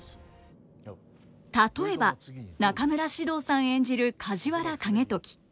例えば中村獅童さん演じる梶原景時。